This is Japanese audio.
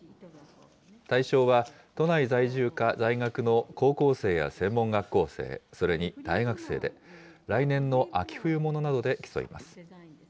対象は、都内在住か在学の高校生や専門学校生、それに大学生で、来年の秋冬ものなどで競います。